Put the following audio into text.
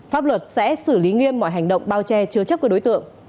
pháp luật sẽ xử lý nghiêm mọi hành động bao che chứa chấp của đối tượng